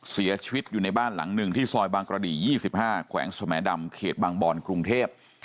เสียชีวิตอยู่ในบ้านหลังหนึ่งที่ซอยบางกระดี๒๕แขวงสมดำเขตบางบอนกรุงเทพ